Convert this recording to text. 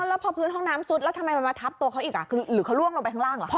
แล้วพอพื้นห้องน้ำซุดแล้วทำไมมันมาทับตัวเขาอีกหรือเขาล่วงลงไปข้างล่างเหรอคะ